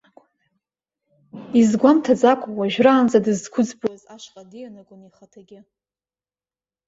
Изгәамҭаӡакәа, уажәраанӡа дызқәыӡбуаз ашҟа дианагоит ихаҭагьы.